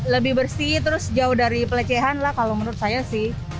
lebih bersih terus jauh dari pelecehan lah kalau menurut saya sih